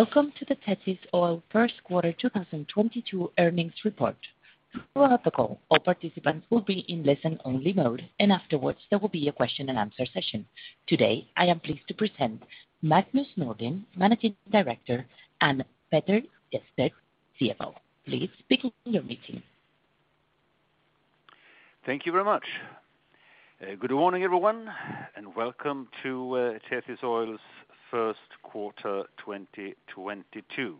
Welcome to the Tethys Oil first quarter 2022 earnings report. Throughout the call, all participants will be in listen only mode, and afterwards there will be a question and answer session. Today, I am pleased to present Magnus Nordin, Managing Director, and Petter Hjertstedt, CFO. Please begin your meeting. Thank you very much. Good morning, everyone, and welcome to Tethys Oil's first quarter 2022.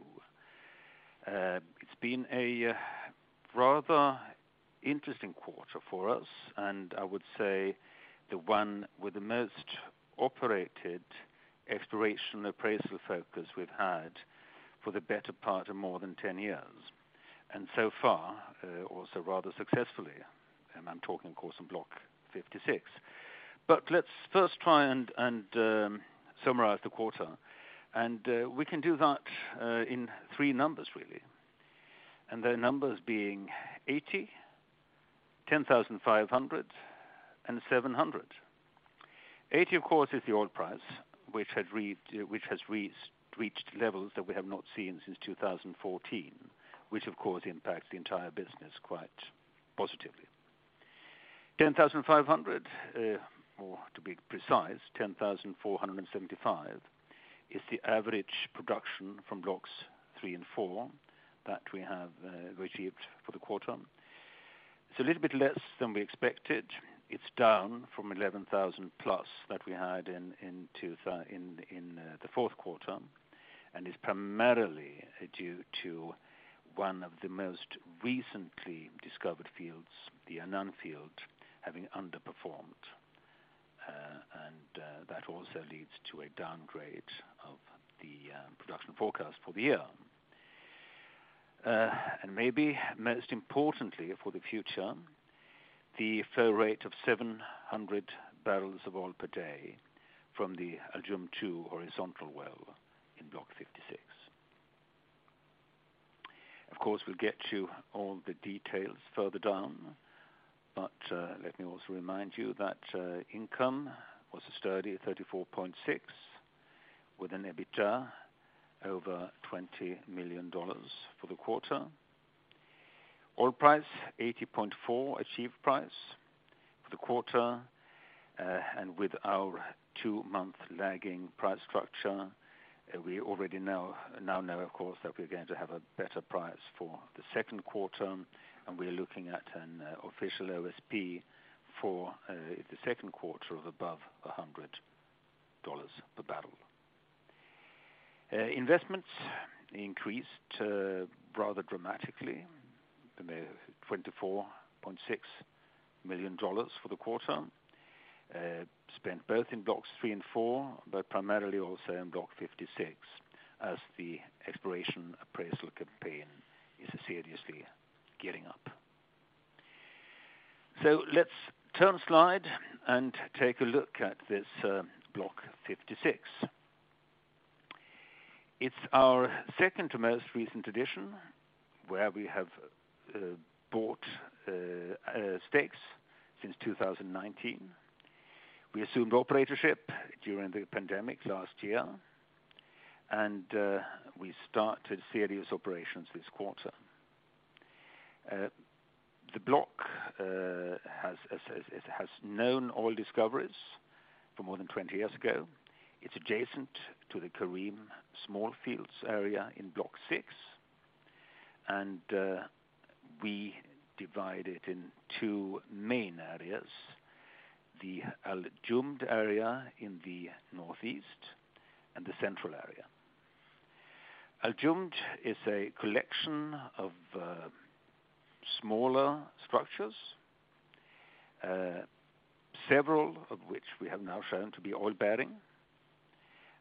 It's been a rather interesting quarter for us, and I would say the one with the most operated exploration appraisal focus we've had for the better part of more than 10 years. So far, also rather successfully, and I'm talking of course, in Block 56. Let's first try and summarize the quarter. We can do that in three numbers really. The numbers being 80, 10,500, and 700. 80 of course is the oil price which has reached levels that we have not seen since 2014, which of course impacts the entire business quite positively. 10,500, or to be precise, 10,475 is the average production from Blocks 3 and 4 that we have achieved for the quarter. It's a little bit less than we expected. It's down from 11,000+ that we had in the fourth quarter, and is primarily due to one of the most recently discovered fields, the Anan field, having underperformed. That also leads to a downgrade of the production forecast for the year. Maybe most importantly for the future, the flow rate of 700 bbl of oil per day from the Al Jumd-2 horizontal well in Block 56. Of course, we'll get to all the details further down, but let me also remind you that income was a steady 34.6, with an EBITDA over $20 million for the quarter. Oil price 80.4 achieved price for the quarter. And with our two-month lagging price structure, we already know of course that we're going to have a better price for the second quarter, and we're looking at an official OSP for the second quarter of above $100 per barrel. Investments increased rather dramatically. The $24.6 million for the quarter spent both in Blocks 3 and 4, but primarily also in Block 56 as the exploration appraisal campaign is seriously gearing up. Let's turn slide and take a look at this Block 56. It's our second to most recent addition, where we have bought stakes since 2019. We assumed operatorship during the pandemic last year, and we started serious operations this quarter. The block has known oil discoveries for more than 20 years ago. It's adjacent to the Karim Small Fields area in Block 6. We divide it in two main areas, the Al Jumd area in the northeast and the central area. Al Jumd is a collection of smaller structures, several of which we have now shown to be oil bearing.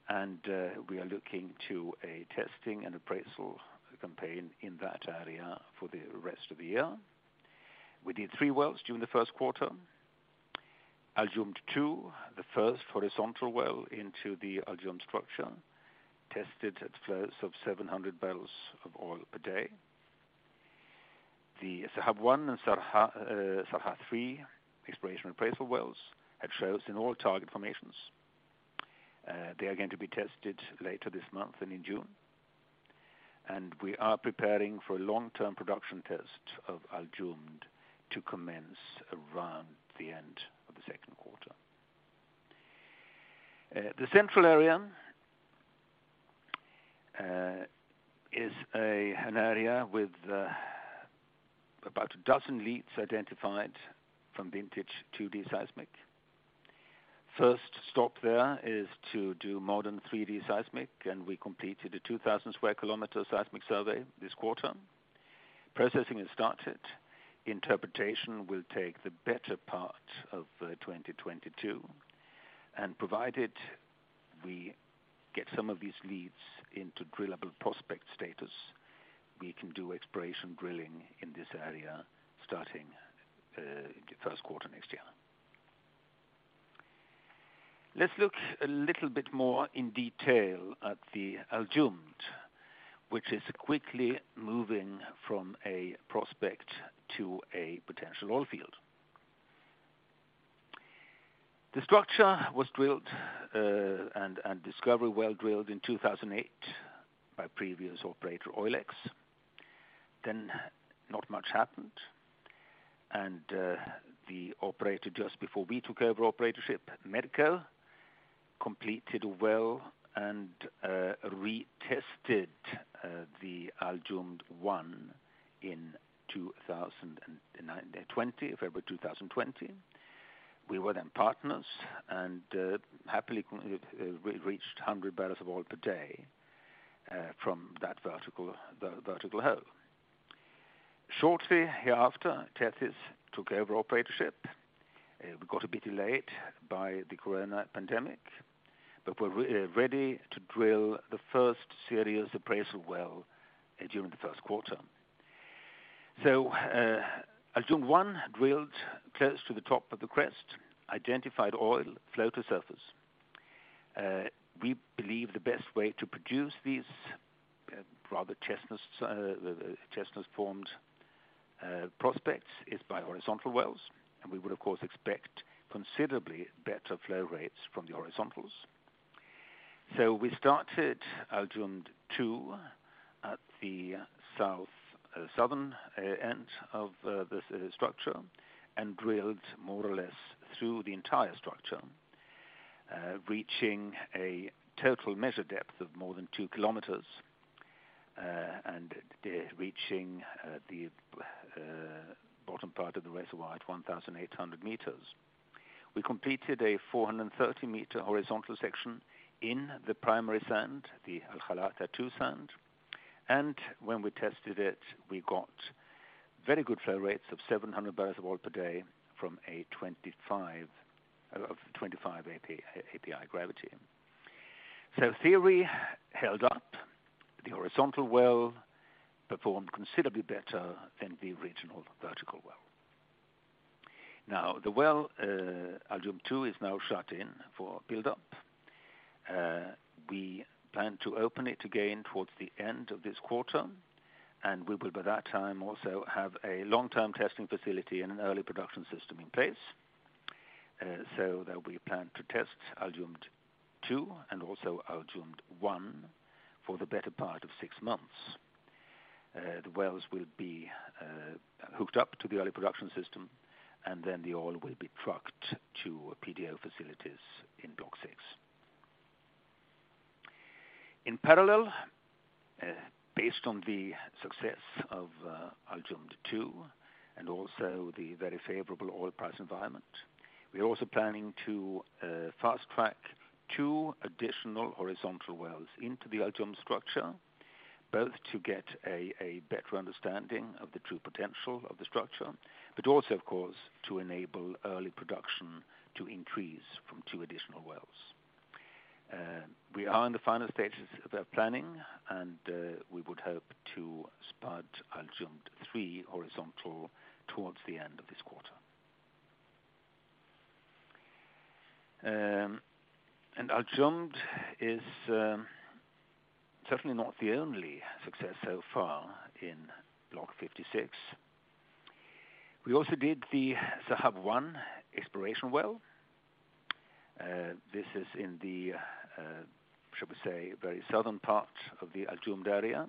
We are looking to a testing and appraisal campaign in that area for the rest of the year. We did three wells during the first quarter. Al Jumd-2, the first horizontal well into the Al Jumd structure, tested at flows of 700 bbl of oil per day. The Sahab-1 and Sarha-3 exploration appraisal wells had flows in all target formations. They are going to be tested later this month and in June. We are preparing for a long-term production test of Al Jumd to commence around the end of the second quarter. The central area is an area with about a dozen leads identified from vintage 2D seismic. First stop there is to do modern 3D seismic, and we completed a 2,000 sq km seismic survey this quarter. Processing has started. Interpretation will take the better part of 2022, and provided we get some of these leads into drillable prospect status, we can do exploration drilling in this area starting the first quarter next year. Let's look a little bit more in detail at the Al Jumd, which is quickly moving from a prospect to a potential oil field. The structure was drilled and discovery well drilled in 2008 by previous operator Oilex. Then not much happened. The operator just before we took over operatorship, Medco, completed a well and retested the Al Jumd-1 in February 2020. We were then partners and happily we reached 100 bbl of oil per day from that vertical well. Shortly hereafter, Tethys took over operatorship. We got a bit delayed by the corona pandemic, but we're ready to drill the first serious appraisal well during the first quarter. Al Jumd-1 drilled close to the top of the crest, identified oil, flow to surface. We believe the best way to produce these rather cherty formed prospects is by horizontal wells, and we would of course expect considerably better flow rates from the horizontals. We started Al Jumd-2 at the southern end of this structure and drilled more or less through the entire structure, reaching a total measured depth of more than 2 km, and reaching the bottom part of the reservoir at 1,800 meters. We completed a 430 meter horizontal section in the primary sand, the Al Khlata 2 sand. When we tested it, we got very good flow rates of 700 bbl of oil per day from a 25 API gravity. Theory held up. The horizontal well performed considerably better than the original vertical well. Now, the well Al Jumd-2 is now shut in for build-up. We plan to open it again towards the end of this quarter, and we will by that time also have a long-term testing facility and an early production system in place. There will be a plan to test Al Jumd-2 and also Al Jumd-1 for the better part of six months. The wells will be hooked up to the early production system, and then the oil will be trucked to PDO facilities in Block VI. In parallel, based on the success of Al Jumd-2 and also the very favorable oil price environment, we're also planning to fast-track two additional horizontal wells into the Al Jumd structure, both to get a better understanding of the true potential of the structure, but also of course, to enable early production to increase from two additional wells. We are in the final stages of that planning, and we would hope to spud Al Jumd-3 horizontal towards the end of this quarter. Al Jumd is certainly not the only success so far in Block 56. We also did the Sahab-1 exploration well. This is in the shall we say, very southern part of the Al Jumd area.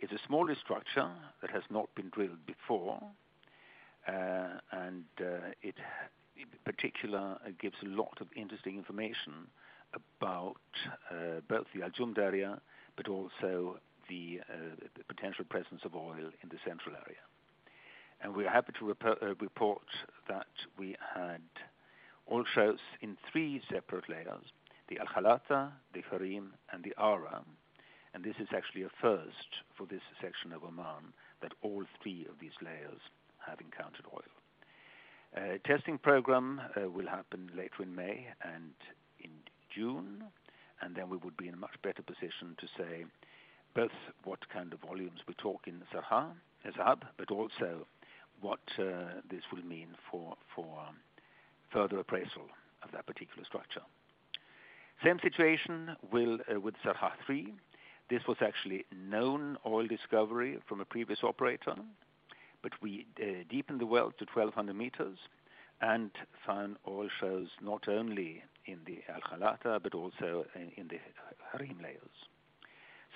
It's a smaller structure that has not been drilled before. In particular, it gives a lot of interesting information about both the Al Jumd area, but also the potential presence of oil in the central area. We are happy to report that we had oil shows in three separate layers, the Al Khlata, the Karim, and the Ara, and this is actually a first for this section of Oman that all three of these layers have encountered oil. Testing program will happen later in May and in June, and then we would be in a much better position to say both what kind of volumes we talk in Sahab, but also what this will mean for further appraisal of that particular structure. Same situation will with Sarha-3. This was actually known oil discovery from a previous operator, but we deepened the well to 1,200 meters and found oil shows not only in the Al Khlata but also in the Karim layers.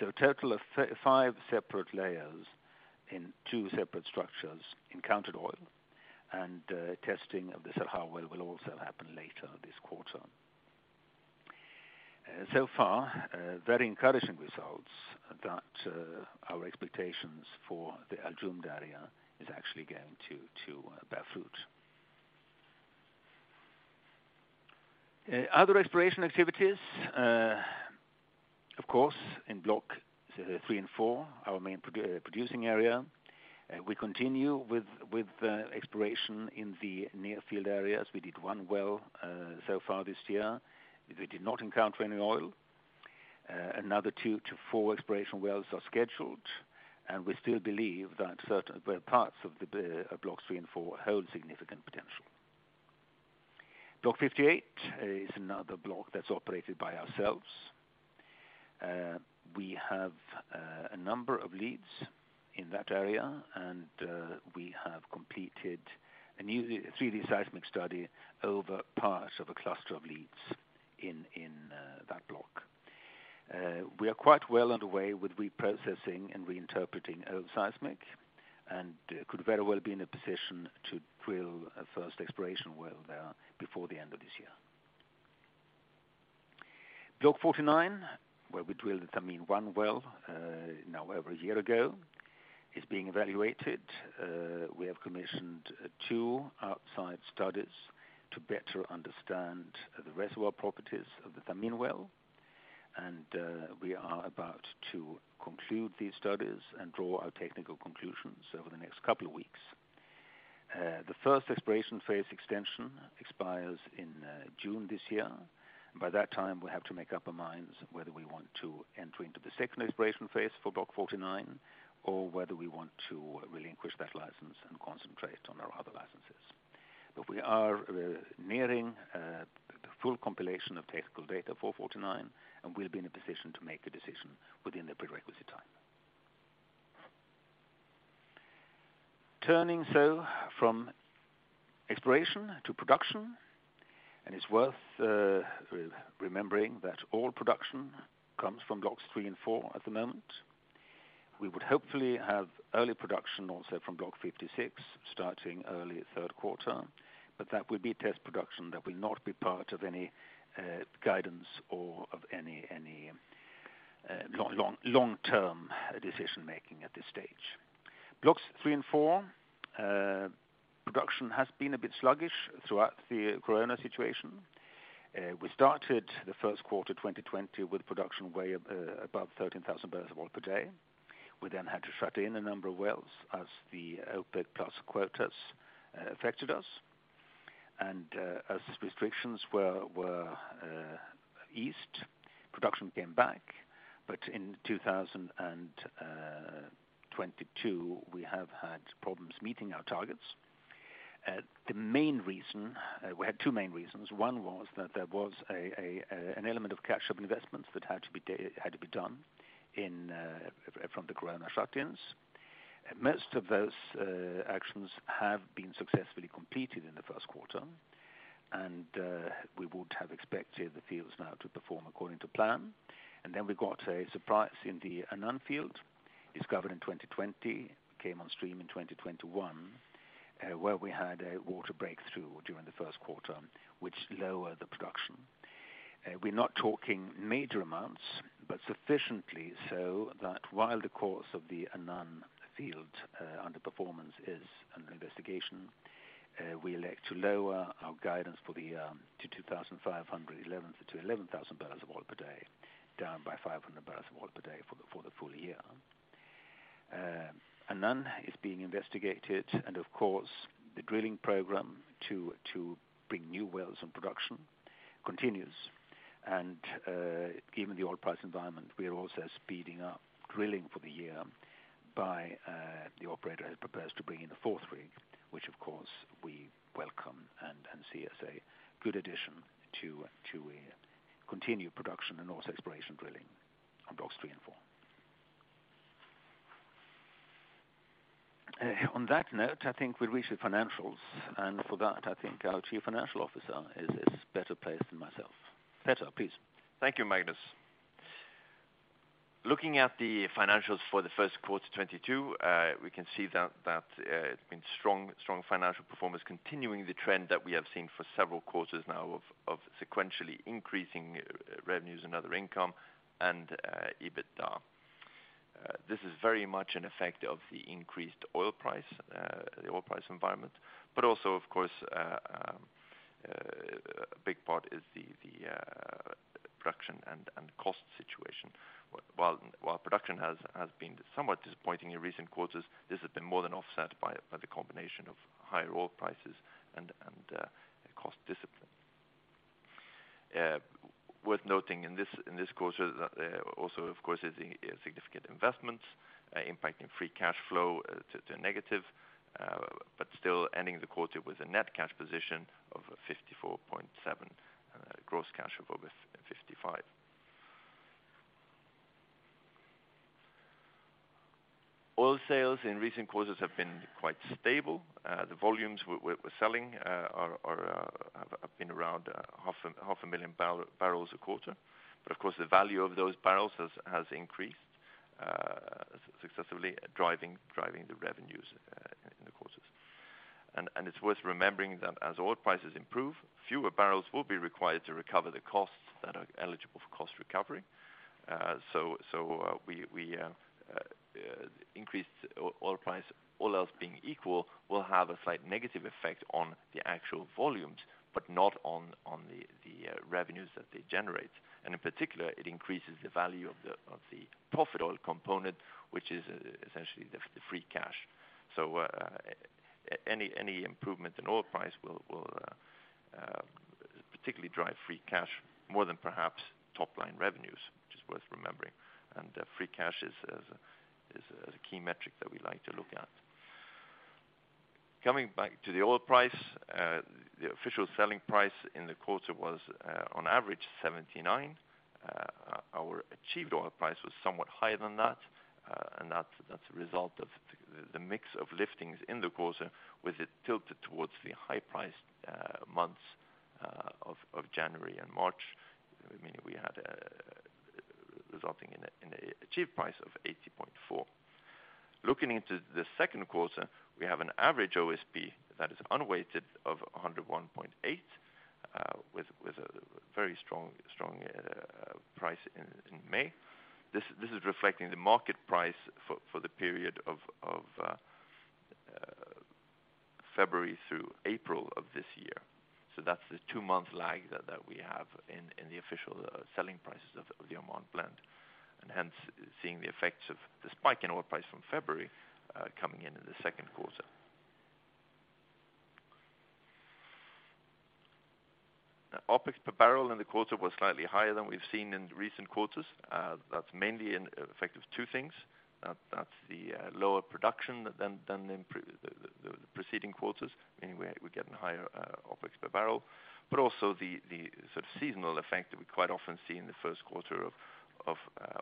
A total of five separate layers in two separate structures encountered oil, and testing of the Sahab well will also happen later this quarter. So far, very encouraging results that our expectations for the Al Jumd area is actually going to bear fruit. Other exploration activities, of course, in Blocks 3 and 4, our main producing area. We continue with exploration in the near field areas. We did one well so far this year. We did not encounter any oil. Another two to four exploration wells are scheduled, and we still believe that certain parts of the Blocks 3 and 4 hold significant potential. Block 58 is another block that's operated by ourselves. We have a number of leads in that area, and we have completed a new 3D seismic study over parts of a cluster of leads in that block. We are quite well underway with reprocessing and reinterpreting old seismic, and could very well be in a position to drill a first exploration well there before the end of this year. Block 49, where we drilled the Thameen-1 well now over a year ago, is being evaluated. We have commissioned two outside studies to better understand the reservoir properties of the Thamin well. We are about to conclude these studies and draw our technical conclusions over the next couple of weeks. The first exploration phase extension expires in June this year. By that time, we'll have to make up our minds whether we want to enter into the second exploration phase for Block 49, or whether we want to relinquish that license and concentrate on our other licenses. We are nearing the full compilation of technical data for 49, and we'll be in a position to make the decision within the prerequisite time. Turning so from exploration to production, and it's worth remembering that all production comes from Blocks 3 and 4 at the moment. We would hopefully have early production also from Block 56, starting early third quarter. That will be test production. That will not be part of any guidance or of any long-term decision-making at this stage. Blocks 3 and 4 production has been a bit sluggish throughout the corona situation. We started the first quarter 2020 with production way above 13,000 bbl of oil per day. We then had to shut in a number of wells as the OPEC Plus quotas affected us. As restrictions were eased, production came back. In 2022, we have had problems meeting our targets. The main reason we had two main reasons. One was that there was an element of catch-up investments that had to be done in from the corona shutdowns. Most of those actions have been successfully completed in the first quarter, and we would have expected the fields now to perform according to plan. We got a surprise in the Anan field, discovered in 2020, came on stream in 2021, where we had a water breakthrough during the first quarter, which lowered the production. We're not talking major amounts, but sufficiently so that while the cause of the Anan field underperformance is under investigation, we elect to lower our guidance for the to 2,511 to 11,000 bbl of oil per day, down by 500 bbl of oil per day for the full year. Anan is being investigated, and of course, the drilling program to bring new wells in production continues. Given the oil price environment, we are also speeding up drilling for the year by the operator has proposed to bring in a fourth rig, which of course we welcome and see as a good addition to continue production and also exploration drilling on Blocks 3 and 4. On that note, I think we'll reach the financials. For that, I think our Chief Financial Officer is better placed than myself. Petter, please. Thank you, Magnus. Looking at the financials for the first quarter 2022, we can see that it's been strong financial performance, continuing the trend that we have seen for several quarters now of sequentially increasing revenues and other income and EBITDA. This is very much an effect of the increased oil price, the oil price environment. Also, of course, a big part is the production and cost situation. While production has been somewhat disappointing in recent quarters, this has been more than offset by the combination of higher oil prices and cost discipline. Worth noting in this quarter that also, of course, is significant investments impacting free cash flow to a negative, but still ending the quarter with a net cash position of $54.7, gross cash of over $55. Oil sales in recent quarters have been quite stable. The volumes we're selling have been around 500,000 bbl a quarter. Of course, the value of those barrels has increased, successfully driving the revenues in the quarters. It's worth remembering that as oil prices improve, fewer barrels will be required to recover the costs that are eligible for cost recovery. An increased oil price, all else being equal, will have a slight negative effect on the actual volumes, but not on the revenues that they generate. In particular, it increases the value of the profit oil component, which is essentially the free cash. Any improvement in oil price will particularly drive free cash more than perhaps top-line revenues, which is worth remembering. Free cash is a key metric that we like to look at. Coming back to the oil price, the official selling price in the quarter was on average $79. Our achieved oil price was somewhat higher than that, and that's a result of the mix of liftings in the quarter, with it tilted towards the high-priced months of January and March, meaning we had resulting in an achieved price of $80.4. Looking into the second quarter, we have an average OSP that is unweighted of $101.8, with a very strong price in May. This is reflecting the market price for the period of February through April of this year. That's the two-month lag that we have in the official selling prices of the Oman Blend, and hence seeing the effects of the spike in oil price from February coming in in the second quarter. OpEx per barrel in the quarter was slightly higher than we've seen in recent quarters. That's mainly the effect of two things. That's the lower production than in the preceding quarters, meaning we're getting higher OpEx per barrel. But also the sort of seasonal effect that we quite often see in the first quarter of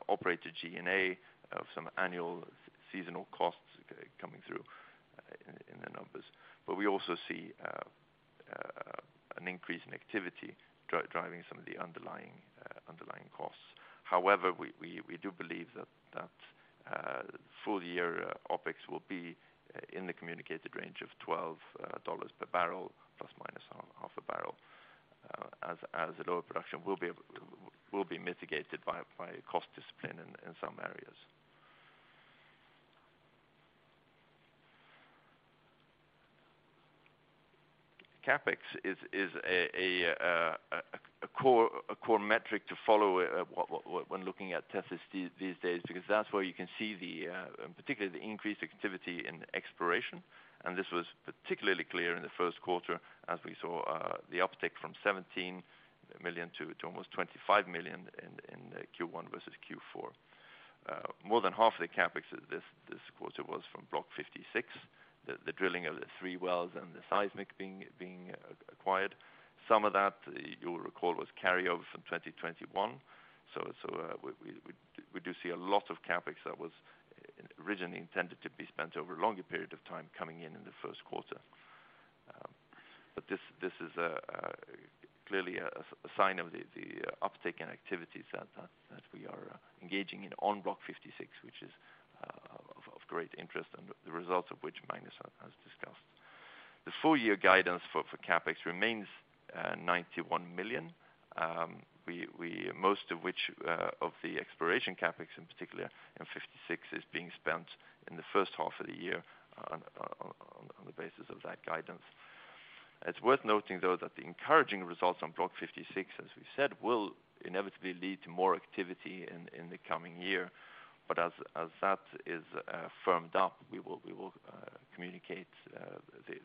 operated G&A of some annual seasonal costs coming through in the numbers. But we also see an increase in activity driving some of the underlying costs. However, we do believe that full year OpEx will be in the communicated range of $12 per barrel ± half a barrel, as the lower production will be mitigated by cost discipline in some areas. CapEx is a core metric to follow when looking at Tethys these days, because that's where you can see, particularly, the increased activity in exploration. This was particularly clear in the first quarter as we saw the uptick from $17 million to almost $25 million in Q1 versus Q4. More than half the CapEx this quarter was from Block 56, the drilling of the three wells and the seismic being acquired. Some of that you'll recall was carryover from 2021. We do see a lot of CapEx that was originally intended to be spent over a longer period of time coming in in the first quarter. This is clearly a sign of the uptick in activities that we are engaging in on Block 56, which is of great interest and the results of which Magnus has discussed. The full year guidance for CapEx remains $91 million. Most of which of the exploration CapEx in particular in 56 is being spent in the first half of the year on the basis of that guidance. It's worth noting though that the encouraging results on Block 56, as we said, will inevitably lead to more activity in the coming year. As that is firmed up, we will communicate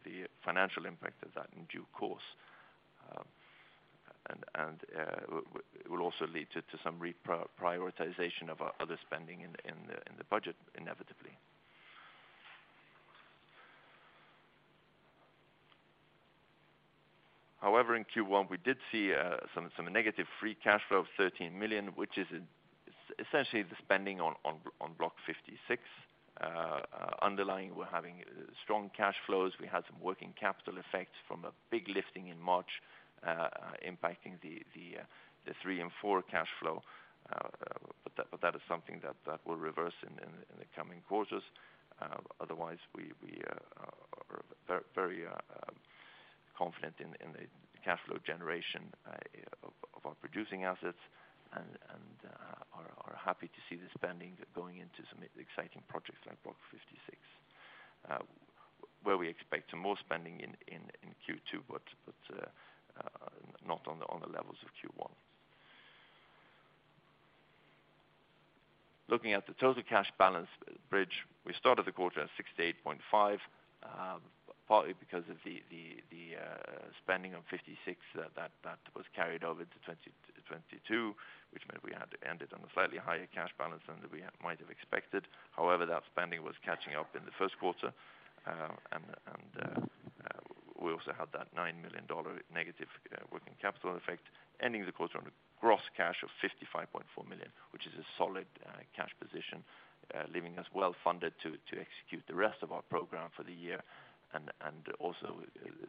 the financial impact of that in due course. It will also lead to some reprioritization of our other spending in the budget inevitably. However, in Q1, we did see some negative free cash flow of $13 million, which is essentially the spending on Block 56. Underlying, we're having strong cash flows. We had some working capital effects from a big lifting in March, impacting the Blocks 3 and 4 cash flow. That is something that will reverse in the coming quarters. Otherwise we are very confident in the cash flow generation of our producing assets and are happy to see the spending going into some exciting projects like Block 56, where we expect more spending in Q2, but not on the levels of Q1. Looking at the total cash balance bridge, we started the quarter at $68.5, partly because of the spending on Block 56 that was carried over to 2022, which meant we had to end it on a slightly higher cash balance than we might have expected. However, that spending was catching up in the first quarter. We also had that $9 million- working capital effect, ending the quarter on a gross cash of $55.4 million, which is a solid cash position, leaving us well funded to execute the rest of our program for the year and also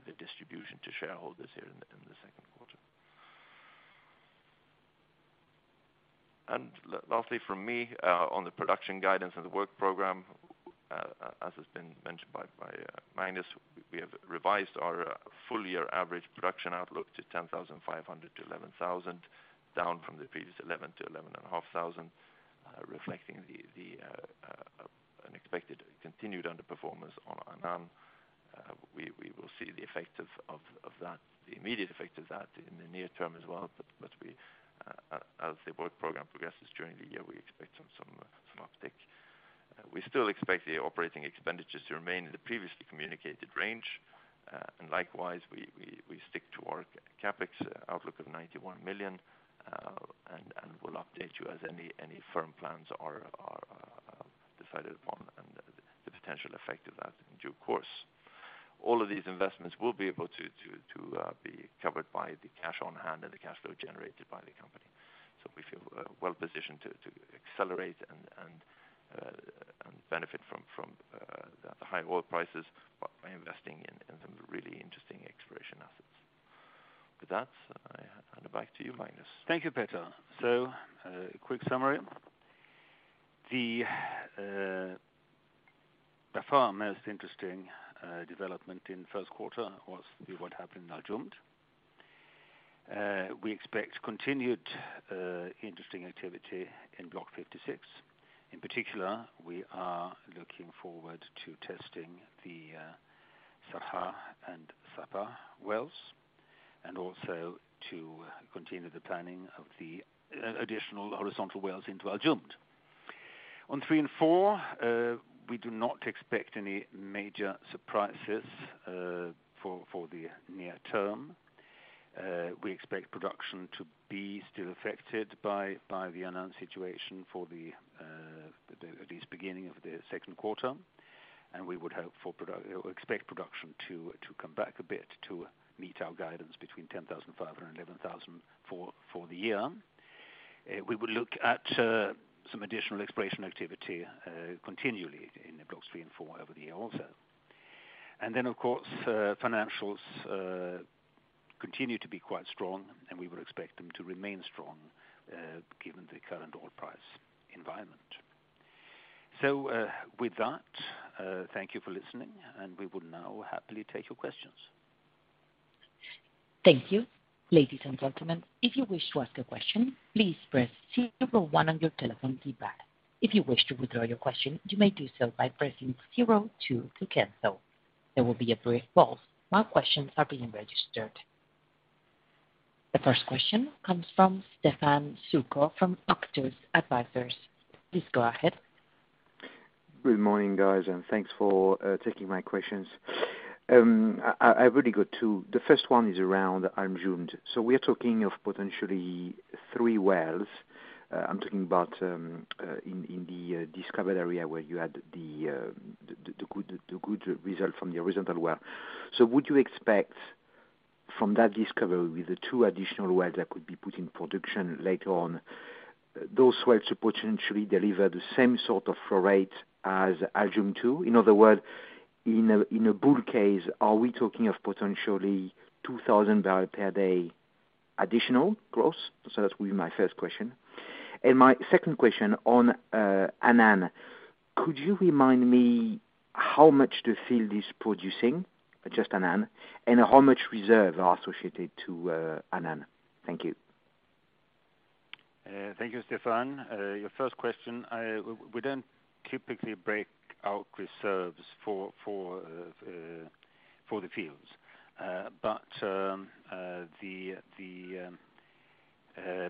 the distribution to shareholders here in the second quarter. Lastly from me, on the production guidance and the work program, as has been mentioned by Magnus, we have revised our full year average production outlook to 10,500-11,000, down from the previous 11,000-11,500, reflecting the unexpected continued underperformance on Anan. We will see the effect of that, the immediate effect of that in the near term as well. We, as the work program progresses during the year, we expect some uptick. We still expect the operating expenditures to remain in the previously communicated range. Likewise, we stick to our CapEx outlook of $91 million, and we'll update you as any firm plans are decided upon and the potential effect of that in due course. All of these investments will be able to be covered by the cash on hand and the cash flow generated by the company. We feel well-positioned to accelerate and benefit from the high oil prices by investing in some really interesting exploration assets. With that, I hand it back to you, Magnus. Thank you, Petter. A quick summary. The by far most interesting development in first quarter was what happened in Al Jumd. We expect continued interesting activity in Block 56. In particular, we are looking forward to testing the Sahab-1 and Sarha-3 wells and also to continue the planning of the additional horizontal wells into Al Jumd. On Blocks 3 and 4, we do not expect any major surprises for the near term. We expect production to be still affected by the announced situation for at least the beginning of the second quarter, and we expect production to come back a bit to meet our guidance between 10,500-11,000 for the year. We will look at some additional exploration activity continually in Blocks 3 and 4 over the year also. Of course, financials continue to be quite strong, and we would expect them to remain strong given the current oil price environment. With that, thank you for listening, and we will now happily take your questions. Thank you. Ladies and gentlemen, if you wish to ask a question, please press zero one on your telephone keypad. If you wish to withdraw your question, you may do so by pressing zero two to cancel. There will be a brief pause while questions are being registered. The first question comes from Stefan Szücs from Octus. Please go ahead. Good morning, guys, and thanks for taking my questions. I've really got two. The first one is around Al Jumd. We are talking of potentially three wells. I'm talking about in the discovered area where you had the good result from the horizontal well. Would you expect from that discovery with the two additional wells that could be put in production later on, those wells to potentially deliver the same sort of flow rate as Al Jumd-2? In other words, in a bull case, are we talking of potentially 2,000 barrels per day additional gross? That will be my first question. My second question on Anan. Could you remind me how much the field is producing, just Anan, and how much reserves are associated to Anan? Thank you. Thank you, Stefan. Your first question, we don't typically break out reserves for the fields. The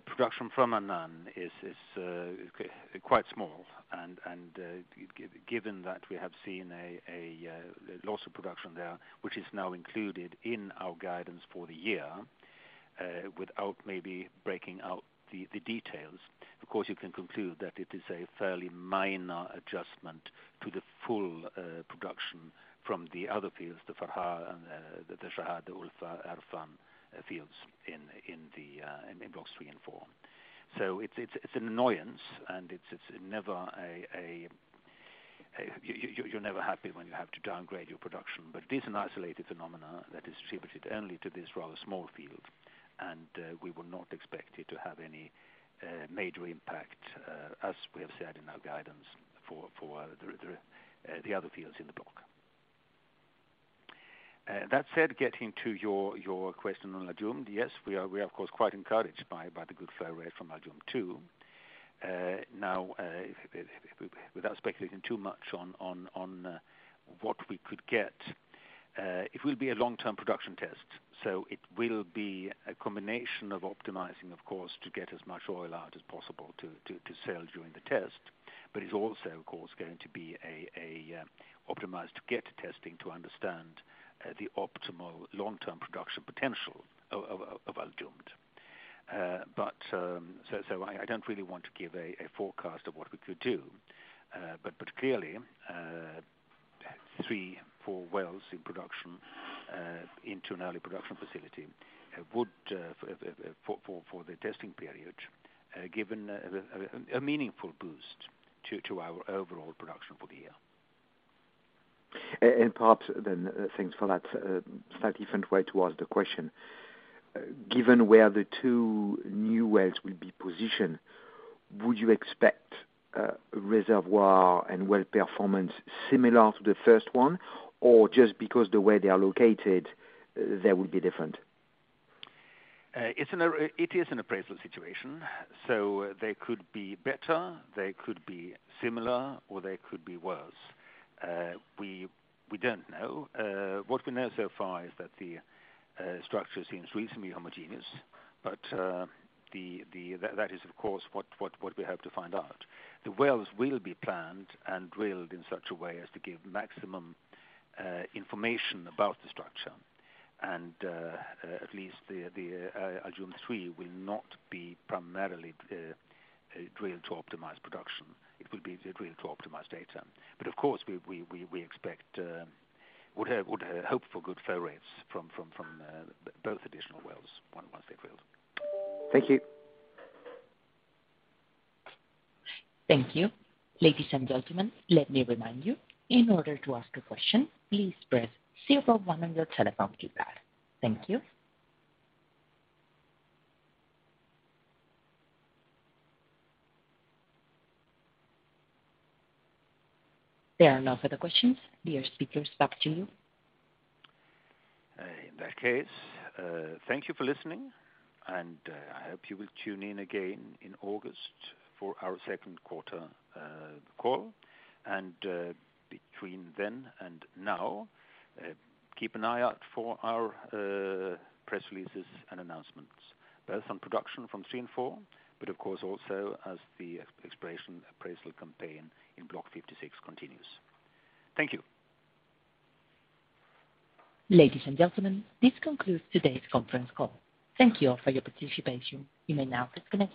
production from Anan is quite small and given that we have seen a loss of production there, which is now included in our guidance for the year, without maybe breaking out the details, of course you can conclude that it is a fairly minor adjustment to the full production from the other fields, the Farha and the Shahd, the Ulfa, Erfan fields in the Blocks 3 and 4. It's an annoyance, and you're never happy when you have to downgrade your production. This is an isolated phenomenon that is attributed only to this rather small field, and we would not expect it to have any major impact, as we have said in our guidance for the other fields in the block. That said, getting to your question on Al Jumd. Yes, we are of course quite encouraged by the good flow rate from Al Jumd-2. Now, without speculating too much on what we could get, it will be a long-term production test, so it will be a combination of optimizing, of course, to get as much oil out as possible to sell during the test, but it's also of course going to be optimized to get to testing to understand the optimal long-term production potential of Al Jumd. I don't really want to give a forecast of what we could do. Clearly, 3-4 wells in production into an early production facility would, for the testing period, give a meaningful boost to our overall production for the year. Perhaps then, thanks for that, slightly different way to ask the question. Given where the two new wells will be positioned, would you expect, reservoir and well performance similar to the first one? Or just because the way they are located, they will be different? It is an appraisal situation, so they could be better, they could be similar, or they could be worse. We don't know. What we know so far is that the structure seems reasonably homogeneous, but that is of course what we hope to find out. The wells will be planned and drilled in such a way as to give maximum information about the structure. At least the Al Jumd-3 will not be primarily drilled to optimize production. It will be drilled to optimize data. Of course, we would hope for good flow rates from both additional wells once they've drilled. Thank you. Thank you. Ladies and gentlemen, let me remind you, in order to ask a question, please press zero one on your telephone keypad. Thank you. There are no further questions. Dear speakers, back to you. In that case, thank you for listening, and I hope you will tune in again in August for our second quarter call. Between then and now, keep an eye out for our press releases and announcements, both on production from 3 and 4, but of course also as the exploration appraisal campaign in Block 56 continues. Thank you. Ladies and gentlemen, this concludes today's conference call. Thank you all for your participation. You may now disconnect your-